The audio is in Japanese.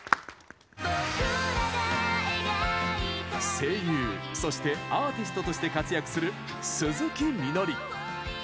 声優、そしてアーティストとして活躍する鈴木みのり。